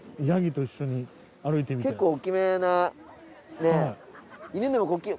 結構大きめなね。